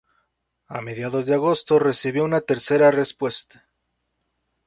A mediados de agosto recibió una tercera respuesta.